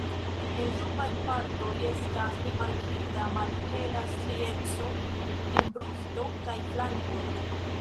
En subaj partoj estas rimarkinda malhela strieco en brusto kaj flankoj.